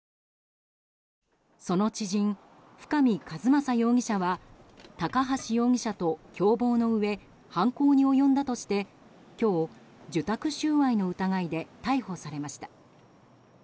その知人、深見和政容疑者は高橋容疑者と共謀のうえ犯行に及んだとして今日、受託収賄の疑いで逮捕されました。